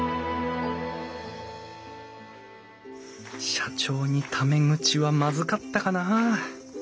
社長にタメ口はまずかったかな。